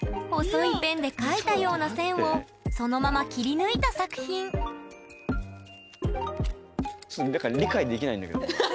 細いペンで描いたような線をそのまま切り抜いた作品ちょっと何か理解できないんだけど。